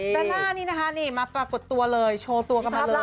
ล่านี่นะคะนี่มาปรากฏตัวเลยโชว์ตัวกันมาเลย